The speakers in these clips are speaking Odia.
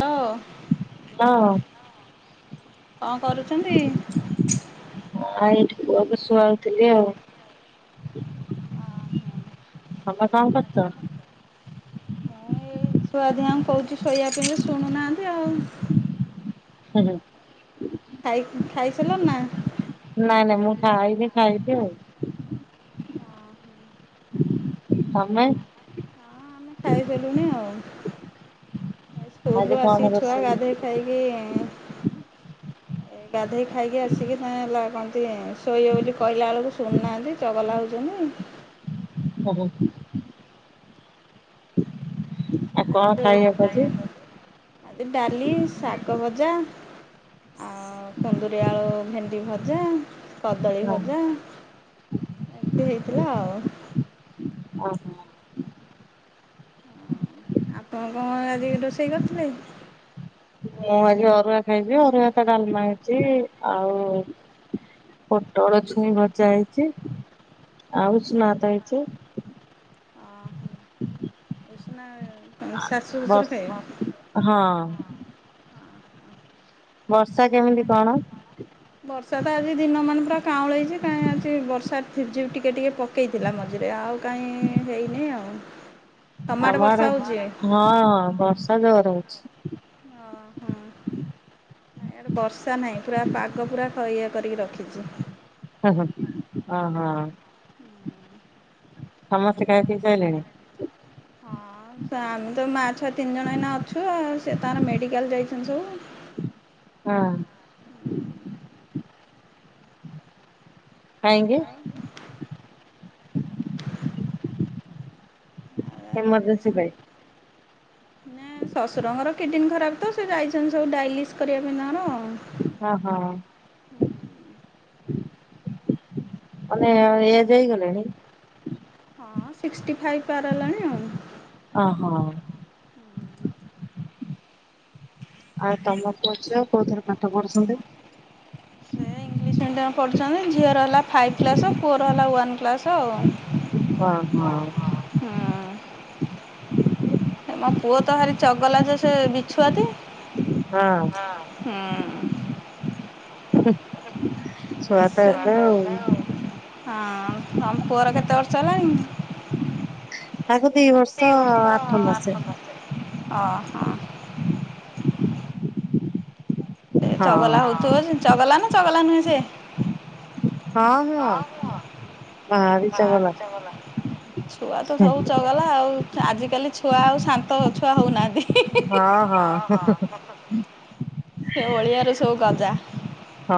ତ, ହଁ କଣ କରୁଛନ୍ତି? ଆ ଏଇଠି ପୁଅକୁ ଶୁଆଉଥିଲି ଆଉ। ତମେ କଣ କରୁଛ? ମୁଁ ଏଇ ଛୁଆ ଦିହାକୁ କହୁଛି ଶୋଇବା ପାଇକା ଶୁଣୁନାହାନ୍ତି ଆଉ। ହୁଁ ହୁଁ, ଇ ଖାଇସାରିଲଣି ନା? ନାଇଁ ନାଇଁ ମୁଁ ଖାଇନି ଖାଇବି ଆଉ। ତମେ? ଆମେ ଖାଇଦେଲୁଣି ଆଉ। ଆଜି ସ୍କୁଲୁରୁ କଣ ଆସିିକି ଛୁଆ ରୋଷେଇ? ଗାଧୋଇ ଖାଇକି-ଇ-ଇ-ଇ ଏ ଗାଧେଇ ଖାଇକି ଆସିକି ତା ହେଲା କଣନ୍ତି ଶୋଇ ବୋଲି କହିଲା ବେଳକୁ ଶୁଣୁନାହାନ୍ତି ଚଗଲା [unintelligible] ଓ ହଉ। କଣ ଖାଇବାକୁ ଆଜି ଡାଲି, ସାଗ ଗ ଭଜା ଆଉ କୁନ୍ଦୁରି, ଆଳୁ, ଭେଣ୍ଡି ଭଜା କଦଳୀ ହଁ ଭଜା ଏମିତି ହେଇଥିଲା ଆଉ। ଓହୋ। ଆପଣ କଣ ଆଜି ରୋଷେଇ କରିଥିଲେ? ମୁଁ ଆଜି ଅରୁଆ ଖାଇବି ଅରୁଆ ଭାତ ଡାଲମା ହେଇଚି ଆଉ। ପୋଟଳ, ଛୁଇଁ ଭଜା ହେଇଛି। ହୁଁ ଆଉ ଉଷୁନା ଭାତ ହେଇଚି। ଓ ହୋ ଉଶୁନା ଶାଶୁ ଶଶୁର ବସ ଖାଇବେ ହ ହ। ହଁ ବର୍ଷା କେମିତି କଣ? ବର୍ଷା ତ ଆଜି ଦିନ ମାନ ପୁରା କାଉଲେଇଚି କାହିଁ ଆଜି ବର୍ଷା ଥିଜି ଟିକେ ଟିକେ ପକେଇଥିଲା ମଝିରେ ଆଉ କାଇ ହେଇନି ଆଉ। ତମ ଆମ ଆଡ଼େ ବର୍ଷା ହଉଛି? ହଁ ବର୍ଷା ଜୋରେ ହଉଚି। ଓ ହୋ। ନାଇଁ ଇଆଡେ ବର୍ଷା ନାହିଁ ପୁରା ପାଗ ପୁରା ଇଏ କରିକି ରଖିଛି। ହେଁ ହେଁ ଅ ହ। ସମସ୍ତେ ଖାଇ ପିଇ ସାରିଲେଣି? ହଁ ଆମେ ତ ମା ଛୁଆ ତିନି ଜଣ ଏଇନା ଅଛୁ ଆଉ ସେ ତାର ମେଡିକାଲ ଯାଇଛନ୍ତି ସବୁ। ହଁ। କହିଁକି? ଆଉ ଏମର୍ଜେନ୍ସି ପାଇଁ। ନା ଶଶୁର ଙ୍କର କିଡନୀ ଖରାପ ତ ସେ ଯାଇଛନ୍ତି ସବୁ ଡାଇଲିସ୍ କରିବା ପାଇଁ ତାଙ୍କର ଆଉ। ଅ ହଁ। ମାନେ ଏଜ୍ ହେଇଗଲାଣି? ହଁ ସିକ୍ସଟି ଫାଇଭ୍ ପାର ହେଲାଣି ଆଉ। ଅ ହଉ। ଆଉ ତମ ପୁଅ ଝିଅ କାଉଥିରେ ପାଠ ପଢୁଛନ୍ତି? ସେ ଇଂଲିଶ ମିଡ଼ିୟମ ରେ ପଢ଼ୁଛନ୍ତି ଝିଅର ହେଲା ଫାଇଭ୍ କ୍ଲାସ୍ ଫୋର ହେଲା ୱାନ୍ କ୍ଲାସ ଆଉ। ହଁ ହଁ। ମୋ ପୁଅ ତ ଭାରି ଚଗଲା ଯେ ସେ ବିଛୁଆତି। ହଁ ହଁ। ହୁ। ହଁ। ଆମ ପୁଅର କେତେ ବର୍ଷ ହେଲାଣି? ତାକୁ ଦିଇ ବର୍ଷ ଆଠ ମାସେ। ଅ ହଁ। ସେ ଚଗଲା ହଁ। ହଉଥିବ ସେ ଚଗଲା ନା ଚଗଲା ନୁହେଁ ସେ? ହଁ ହଁ। ବାହାରିଛ ଭଲ। ଛୁଆ ତ ସବୁ ଚଗଲା ଆଉ। ଆଜିକାଲି ଛୁଆ ଆଉ ଶାନ୍ତ ଛୁଆ ହଉନାହାନ୍ତି। ହିଁ ହିଁ ହଁ ହଁ। ସେ ଓଳିଆରୁ ସବୁ ଗଜା। ହଁ।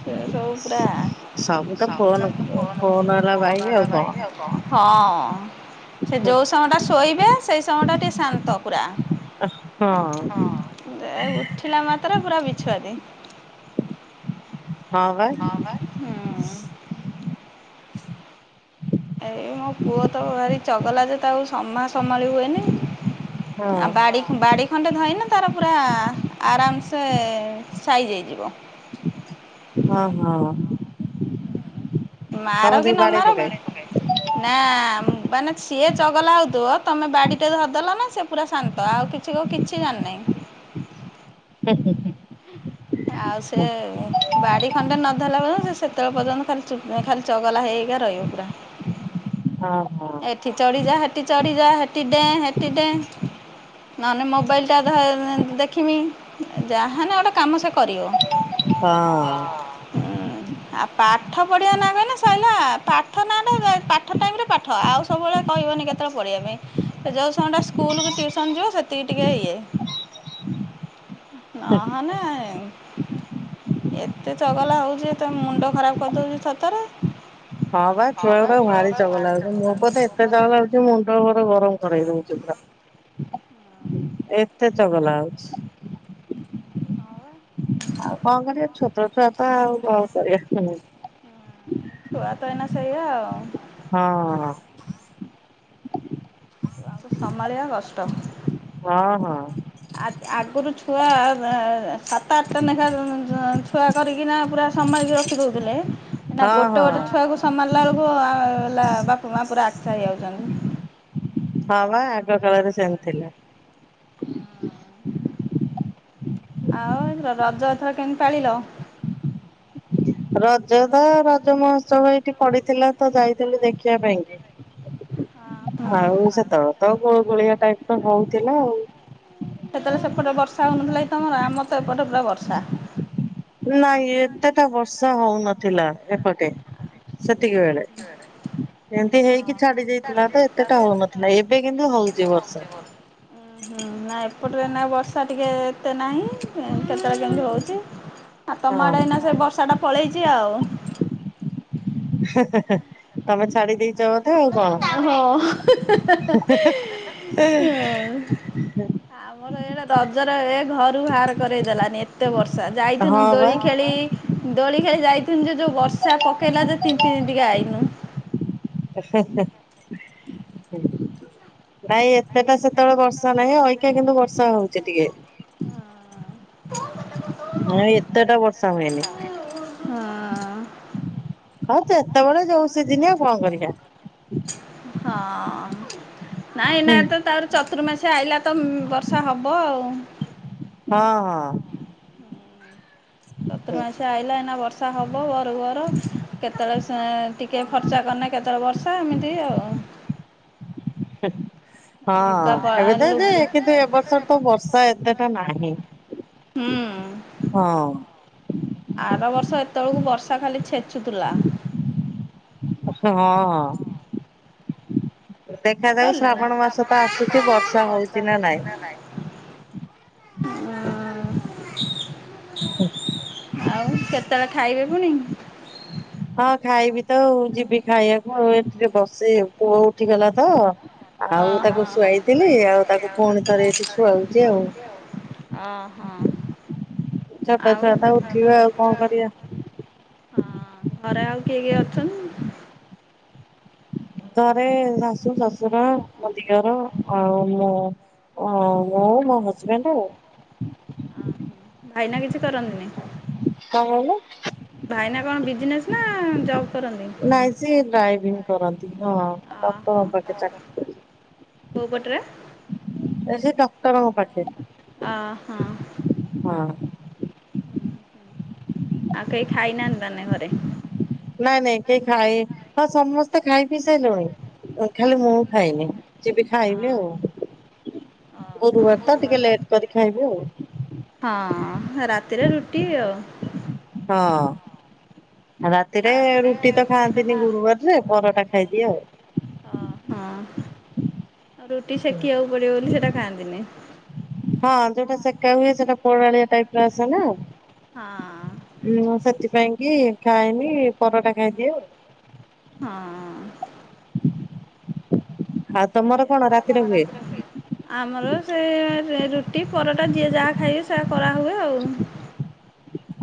ସେ ସବୁ ପୁରା। ସବୁ ତ ଫୋନ ସବୁତ ଏବେ ଫୋନ ହେଲା ଫୋନ ଭାଇ ଆଉ ହେଲା କଣ। ବାଇ ଆଉ କଣ? ସେ ହଁ। ଯୋଉ ସମୟ ଟା ଶୋଇବେ ସେଇ ସମୟ ଟା ଟିକେ ଶାନ୍ତ ପୁରା। ଦେ ଉଠିଲା ମାତ୍ରେ ପୁରା ବିଛୁଆତି। ହ ବା। ଏଇ ମୋ ପୁଅ ତ ଭାରି ଚଗଲା ଯେ ତାକୁ ସମା ସମ୍ଭାଳି ହୁଏନି। ହଁ ଆ ବାଡିକ୍ ବାଡିକ୍ ଖଣ୍ଡେ ଧଇଲେ ତାର ପୁରା ଆରାମ ସେ ସାଇଜ ହେଇ ଯିବ। ହଁ ହଁ। ମାର କି ସମସ୍ତଙ୍କୁ ନ ବାଡେଇ ମାର ପକାଏ। କି ନା ମାନେ ସିଏ ଚଗଲା ହଉଥିବ ତମେ ବାଡି ଟେ ଧରିଦଲ ନା ସେ ପୁରା ଶାନ୍ତ ଆଉ କିଛି କିଛି ଜାଣିନି। ହୁଁ ହୁଁ। ଆଉ ସେ ବାଡି ଖଣ୍ଡେ ନ ଧରିଲା ବେଳକୁ ସେ ସେତେବେଳେ ପର୍ଯ୍ୟନ୍ତ ଖାଲି ଚୁ ଖାଲି ଚଗଲା ହେଇ ହେଇକା ରହିବ ପୁରା। ହଁ ହଁ। ଚଢ଼ି ଯା ହେଟି ଚଢିଯା ହେଟୀ ଡେଏଁ ହେଟିି ଡେଏଁ ନହେଲେ ମୋବାଇଲ ଟା ଧ ଦେଖିମି। ଯାହାନେ ଗୋଟେ କାମ ସେ କରିବ। ହଁ। ଉୁଁ ଆଉ ପାଠ ପଢିବା ନା କହିଲେ ସରିଲା ପାଠ ନାଟ ପାଠ ଟାଇମ ରେ ପାଠ ଆଉ ସବୁବେଳେ କହିବନି କେତେବେଳେ ପଢିବା ପାଇଁ ସେ ଯୋଉ ସମୟ ଟା ସ୍କୁଲକୁ ଟିଉସନ ଯିବ ସେତିକି ଟିକେ ଇଏ ନହନେ ଏତେ ଚଗଲା ହଉଛି ତମ ମୁଣ୍ଡ ଖରାପ କରିଦଉଚି ଥର ଥରେ। ହଁ ବା ଛୁଆ ଗୁଡାକ ଭାରି ଚଗଲା ହୋଉ ମୋ ପୁଅ ତ ଏତେ ଚଗଲା ହଉଛି ମୁଣ୍ଡ ମୋର ଗରମ କରେଇ ଦଉଛି ପୁରା। ହଁ। ଏତେ ଚଗଲା ହଉଛି। ହଁ ବା ଆଉ କଣ କରିବା ଛୋଟ ଛୁଆ ତ ଆଉ କଣ କରିବା ହୁଁ ହୁଁ ଛୁଆ ତ ଏଇନା ସେଇଆ ଆଉ। ହଁ। ଛୁଆଙ୍କୁ ସମ୍ଭାଳିବା କଷ୍ଟ ହଁ ହଁ। ଆ ଆଗରୁ ଛୁଆ ଯା ସାତ ଆଠଟା ଲେଖା ଛୁଆ କରିକିନା ପୁରା ସମ୍ଭାଳିକ ରଖି ଦଉଥିଲେ ଏଇନା ହଁ ହଁ ଗୋଟେ ଗୋଟେ ହଁ ଛୁଆକୁ ସମ୍ଭଲିଲାବେଳକୁ [unintelligible] ହେଲା ବାପା ମା ପୁରା ଆଛା ହେଇଯାଉଛନ୍ତି। ହଁ ପା ଆଗ କାଳରେ ସେମିତ୍ ଥିଲା। ଆଉ ଏ ରଜ ଅଥର କେମିତି ପାଳିଲ? ରଜ ତ ରଜ ମହୋତ୍ସବ ଏଇଠି ପଡିଥିଲା ତ ଯାଇଥିଲୁ ଦେଖିବା ପାଇଁକି। ହଁ। ହୁଁ ଆଉ ସେତେବେଳେ ତ ଗୋ ଗୋଳିଆ ଟାଇପ ର ହଉଥିଲା ଆଉ ସେତେବେଳେ ସେପଟେ ବର୍ଷା ହଉନଥିଲା କି ତମର ଆମର ତ ଏପଟେ ପୁରା ବର୍ଷା। ନାଇଁ ଏତେଟା ବର୍ଷା ହଉନଥିଲା ଏପଟେ ସେ ସେତିକିବେଳେ ଏମିତି ହେଇକି ଚାଲି ଛାଡି ଯାଇଥିଲା ତ ଏତେଟା ହଉନଥିଲା ଏବେ କିନ୍ତୁ ହଉଛି ବର୍ଷା ବର୍ଷା ହୁଁ ହୁଁ ନା ଏପଟରେ ନାଇ ବର୍ଷା ଟିକେ ଏତେ ନାହିଁ କେତେବେଳେ କେମିତି ହଉଛି। ଆଉ ତମ ଆଡେ ହଁ ଏଇନା ସେ ବର୍ଷା ଟା ପଳେଇଛି ଆଉ। ହା ହା ହା ତମେ ଛାଡ଼ି ଦେଇ ଜ କଥା ଆଉ ଓହୋ। କଣ ହା ହା ହା ମର ଏଇଆଡେ ରଜରେ ଏ ଘରୁ ବାହାର କରେଇଦେଲାନି ଏତେ ବର୍ଷା ତ ହଁ ଯାଇଥିନୁ ବା। ଦୋଳି ଖେଳି ଦୋଳି ଖେଳି ଯାଇଥିନି ଯେ ଯୋଉ ବର୍ଷା ପକେଇଲା ଯେ ତିନ୍ତି ତିନ୍ତି କା ଆଇନୁ। ହେ ହେ ହେ। ନାଇଁ ଏତେ ଟା ସେତେବେଳେ ବର୍ଷା ନାହିଁ ଅଇକ୍ଷା କିନ୍ତୁ ବର୍ଷା ହଉଛି ଟିକେ ହ [inaudible] ଏଣେ ଏତେଟା ବର୍ଷା ହୁଏନି ହଁ। ହଉ ଜେତେବେଳେ ଯୋଉ ସିଜିନି ଆଉ କଣ କରିବା। ହଁ ନାଇଁ ଏଇନା ହୁଁ ତ ତାପରେ ଚତ ର୍ତୁ ମାସ ଆଇଲା ତ ବର୍ଷା ହବ ଆଉ। ହଁ ହଁ। ହୁଁ। ଚତୁର୍ ମାସିଆ ଆଇଲ ଏଇନା ବର୍ଷା ବର୍ଷା ହେବ ପହରକୁ ପହର କେତେବେଳେ ସେଁ ଟିକେ ଫର୍ଚା କଲେ କେତେବେଳେ ବର୍ଷା ଏମିତି ଆଉ ହଁ [inaudible] ହ ହଁ ପ ଆ ଏବେ ତ ଯେ ଲୁଗା କିନ୍ତୁ ଏ ବର୍ଷର ତ ବର୍ଷା ଏତେଟା ନାହିଁ। ହୁଁ ହଁ। ଆର ବର୍ଷ ଏତେବେଳକୁ ବର୍ଷା ଖାଲି ଛେଚୁଥିଲା। ହଁ ହଁ। [unintelligible] ହଁ। ଦେଖାଯାଉ ଆଉ ଶ୍ରାବଣ ମାସ ତ ଆସୁଛି ବର୍ଷା ହଉଛି ନା ନାଇଁ। କେତେବେଳେ ଖାଇବେ ପୁଣି? ହଁ ଖାଇବି ତ ଯିବି ଖାଇବାକୁ ଏ ଟିକେ ବସିଛି ପୁଅ ଉଠିଗଲା ତ [inaudible] ଆଉ ତାକୁ ଶୁଆଇଥିଲି ଆଉ ତାକୁ ପୁଣି ଥରେ ଏଠି ଶୁଆଉଛି ଆଉ ହଁ। ଛୋଟ ଛୁଆ ତ ଉଠିବେ ଆଉ କଣ କରିବା। ହଁ କରିବା। ଘରେ ଆଉ କିଏ କିଏ ଅଛନ୍ତି? ଘରେ ଶାଶୁ ଶଶୁର ମୋ ଦିଅର ଆଉ ମୁଁ। ଓ ମୁଁ ମୋ ହଜବେଣ୍ଡ ଆଉ ଓ ହ ଭାଇନା କିଛି କରନ୍ତିନି? କଣ କହିଲେ? ଭାଇନା କଣ ବିଜନେସ ନା ଜବ କରନ୍ତି? ନାଇଁ ସେ [unintelligible] କୋଉପଟରେ? ସେ ଡକ୍ଟରଙ୍କ ପାଖେରେ। ଆ ହା। ଆଉ କେହି ଖାଇନାହାନ୍ତି ତାନେ ଘରେ? ନାଇଁ ନାଇଁ କେହି ଖାଏ ହଁ ସମସ୍ତେ ଖାଇ ପି ସାଇଲେୁଣି। ଖାଲି ମୁଁ ଖାଇନି ଯି ବି ଖାଇବି ଆଉ। ଗୁରୁବାର ତ ଟିକେ ଲେଟ କରି ଖାଇବି ଖାଇବୁ ଆଉ। ଆଉ। ରାତିରେ ରୁଟି ଆଉ। ହଁ। ରାତିରେ ରୁଟି ତ ଖାଆନ୍ତିନି ଗୁରୁବାରରେ ପରଟା ଖାଇଦିଏ ଆଉ। ହ ହଁ। ରୁଟି ସେକିିବାକୁ ପଡିବ ବୋଲି ସେଇଟା ଖାଆନ୍ତିନି। ହଁ ଯୋଉଟା ସେକା [unintelligible] ହଁ କି ଖାଇନି ପରଟା ଖାଇଦିଏ। ହଁ। ଆଉ ତମର କଣ ରାତିରେ ହୁଏ? ଆମର ସେ ରୁଟି ରୁଟି ପରଟା ଯିଏ ଯାହା ଖାଇବେ ସେହା କରା ହୁଏ ଆଉ।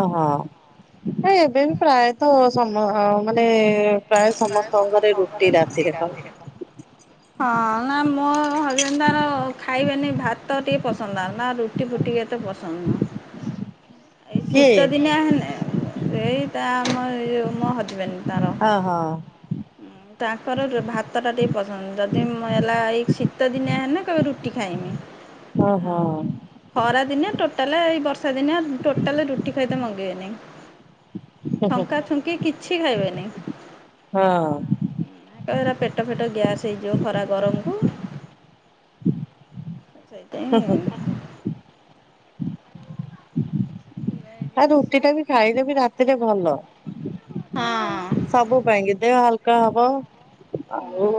ଓହୋ ଏବେ ବି ପ୍ରାୟତଃ ସମ ମାନେ ପ୍ରାୟ ସମସ୍ତଙ୍କ ଘରେ ରୁଟି ରାତିରେ। ହଁ ନା ମୁଁ ହଁ ହଜନ୍ ତାର ଖାଇବେନି ଭାତ ତ ଟିକେ ପସନ୍ଦ ଆ ନା ରୁଟି ଫୁଟି ଏତେ ପସନ୍ଦ ନୁହେଁ। [inaudible] ଏଇ କି ଶୀତ ଦିନିଆ ହେଲେ ଏଇ ତା ଆମ ଏହି ଯୋଗ ମୋ ହଜ୍‌ବେଣ୍ଡ୍ ତାର ହଁ। ତାଙ୍କର ଭାତ ଟା ଟିକେ ପସନ୍ଦ ଯଦି ମ ହେଲା ଏଇ ଶୀ ଶୀତ ଦିନ ଆ ହେଲେ କହିବେ ରୁଟି ଖାଇବି। ହଁ ହଁ। ଖରା ଦିନିଆ ଟୋଟାଲ ଏଇ ବର୍ଷା ଦିନିଆ ଟୋଟାଲ ରୁଟି ଖାଇ ତ ମଙ୍ଗିବନି। ଛଙ୍କା ଛୁଙ୍କି କିଛି ଖାଇବେନ। ହଁ। କହିବେ ଏଭରା ପେଟ ଫେଟ ଗ୍ୟାସ ସେଇ ଯଉ ଖରା ଗରମକୁ ସେଇଥିାଇଁ ଆ ରୁଟି ଟା ବି ଖାଇଲେ ବି ରାତିରେ ଭଲ। ହଁ ସବୁ ପାଇ କେି ଦେ ହଲକା ହବ ଆଉ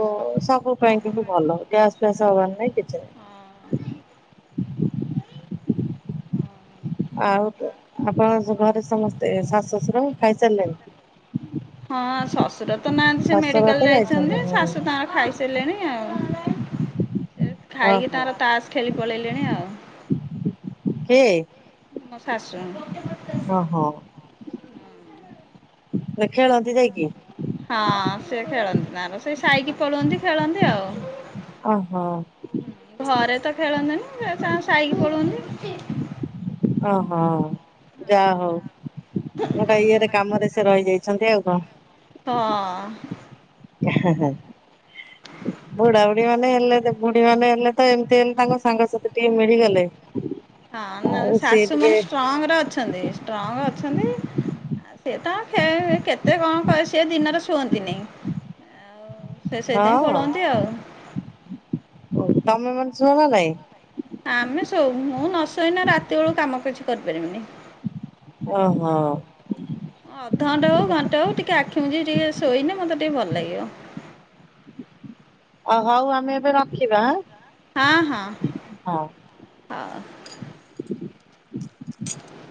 ସବୁ ପାଇଁ କିନ୍ତୁ ଭଲ ଗ୍ୟାସ ଫ୍ୟାସ ହବାର ନାଇଁ କିଛି ନହିଁ। [unintelligible] ଉଁ ହୁଁ। ଆଉ ଆପଣ ଘରେ ସମସ୍ତେ ଶାଶୁ ଶଶୁର ଖାଇସାରିଲେଣି? ହଁ। ସେ ନାହାନ୍ତି ସେ ଶାଶୁର ମେଡ଼ିକାଲ ତ ଯାଇଛନ୍ତି ହଁ। ଶାଶୁ ତାଙ୍କର ଖାଇସାରିଲେଣି ଆଉ। ସେ ଖାଇକି ଓହୋ ତାର ତାସ ଖେଳି ପଳେଇଲେଣି ଆଉ। କେ? ମୋ ଶାଶୁ। ଓ ହୋ। ଖେଳନ୍ତି ଯାଇକି। ହଁ ସେ ଖେଳନ୍ତି ତାର ସେ ସାଇକି ପଳାନ୍ତି ଖେଳନ୍ତି ଆଉ। ଓହୋ ହୁଁ ଘରେ ତ ଖେଳନ୍ତି ନି। ସେ ତାଙ୍କ ସାଇକି ପଳାନ୍ତି। ଓହୋ ଯା ହଉ ଗୋଟେ ଇଏରେ କାମରେ ସେ ରହିଯାଇଛି। ସନ୍ଧ୍ୟ ଆଉ କଆଁ? ହଁ। ବୁଢାବୁଢୀ ମାନେ ହେଲେ ବୁଢୀ ମାନେ ହେଲେ ତ ଏମିତି ହେଲେ ତାଙ୍କ ସାଙ୍ଗସାଥି ଟିକେ ମିଳିଗଲେ। ହଁ ନ ଆଉ ସିଏ ଶାଶୁ ଟିକେ ମାନ ଷ୍ଟ୍ରଙ୍ଗ ରେ ଅଛନ୍ତି, ଷ୍ଟ୍ରଙ୍ଗ ଅଛନ୍ତି, ସେଏ ତ କେତେ କଣ କ ସି ଦିନରେ ଶୁଅନ୍ତିନି। ଆଉ ସେ ସେଥିପାଇଁ ପଳନ୍ତି ଆଉ। ଓ ତମେ ମାନ ଶୁଅ ନା ନାଇ? ଆମେ ଶଉ ମୁଁ ନ ଶୋଇନେ ରାତି ବେଳୁ କାମ କିଛି କରିପାରିବିନି। ଓ ହୋ। ଅଧଘଣ୍ଟା ହଉ ଘଣ୍ଟା ହଉ ଟିକେ ଆ କେମିତି ଟିକେ ଶୋଇନେ ମତେ ଟିକେ ଭଲ ଲାଗିବ। ଓ ହଉ ଆମେ ଏବେ ରଖିବାଁ। ହଁ ହଁ ହଉ। [inaudible]